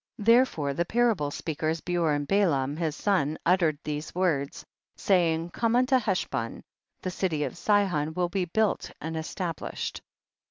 19. Therefore the parable speak ers Beor and Balaam his son uttered these words, saying, come unto Heshbon, the city of Sihon will be built and established.